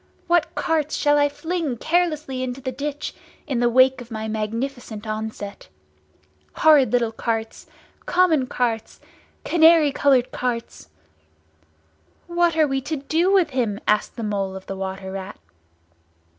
What carts I shall fling carelessly into the ditch in the wake of my magnificent onset! Horrid little carts—common carts—canary coloured carts!" "What are we to do with him?" asked the Mole of the Water Rat.